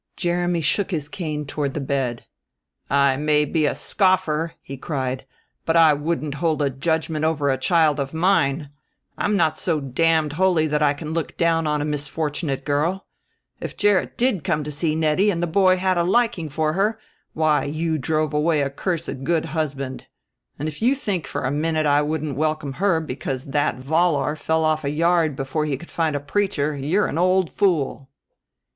Jeremy shook his cane toward the bed. "I may be a scoffer," he cried, "but I wouldn't hold a judgment over a child of mine! I'm not so damned holy that I can look down on a misfortunate girl. If Gerrit did come to see Nettie and the boy had a liking for her, why you drove away a cursed good husband. And if you think for a minute I wouldn't welcome her because that Vollar fell off a yard before he could find a preacher you're an old fool!"